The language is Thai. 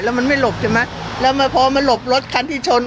แล้วมันไม่หลบใช่ไหมแล้วพอมาหลบรถคันที่ชน